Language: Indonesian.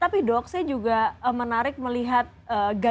tapi dok saya juga menarik melihat gaya hidup anak anak